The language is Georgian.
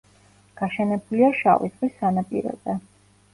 გაშენებულია შავი ზღვის სანაპიროზე.